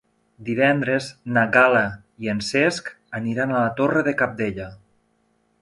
Divendres na Gal·la i en Cesc aniran a la Torre de Cabdella.